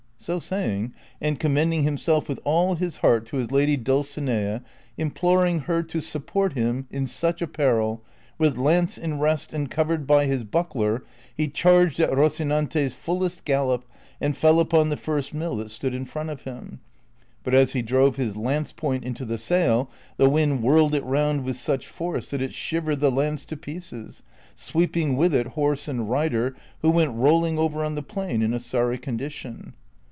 So saying, and commending himself with all his heart to his lady Dulcinea, imploring her to su])i)ort him in such a peril, with lance in rest and covered by his buckler, he charged at Rocinante's fullest gallop and fell upon the first mill that stood in front of him ; but as he drove his lance point into the sail the wind whirled it round with such force that it shivered the lance to pieces, sweeping with it horse and rider, avIio went rolling over on the plain, in a sorry condition.